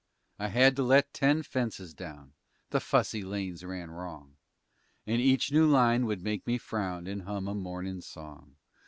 I had to let ten fences down (The fussy lanes ran wrong) And each new line would make me frown And hum a mournin' song.